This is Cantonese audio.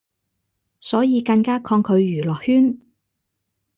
所以更加抗拒娛樂圈